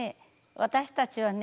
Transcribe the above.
私たちはね